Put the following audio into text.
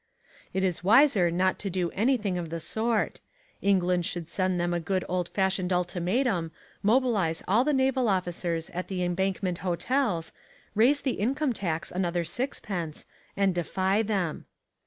It is wiser not to do anything of the sort. England should send them a good old fashioned ultimatum, mobilise all the naval officers at the Embankment hotels, raise the income tax another sixpence, and defy them.